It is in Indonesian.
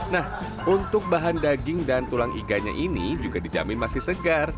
nah untuk bahan daging dan tulang iganya ini juga dijamin masih segar